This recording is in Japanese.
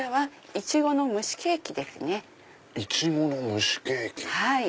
イチゴの蒸しケーキ。